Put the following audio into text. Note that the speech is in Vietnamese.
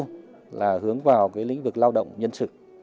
một là hướng vào lĩnh vực lao động nhân sự